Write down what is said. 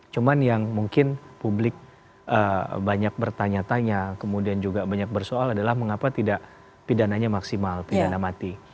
cuma yang mungkin publik banyak bertanya tanya kemudian juga banyak bersoal adalah mengapa tidak pidananya maksimal pidana mati